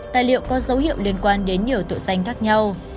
tài liệu có dấu hiệu liên quan đến nhiều tội danh khác nhau